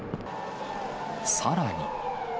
さらに。